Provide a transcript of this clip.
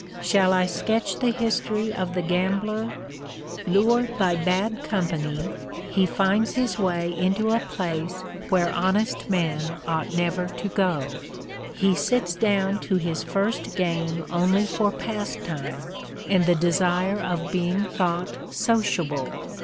Shall I sketch the history of the gambler? Lured by bad company, he finds his way into a place where honest men ought never to go. He sits down to his first game only for pastime and the desire of being thought sociable.